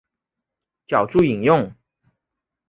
脚注引用